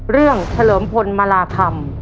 เรื่องเฉลิมพลมาราคัม